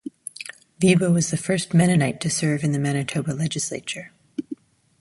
Wiebe was the first Mennonite to serve in the Manitoba legislature.